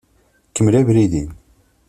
Kemmel abrid-im.